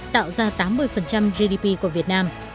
tạo ra tám mươi gdp của việt nam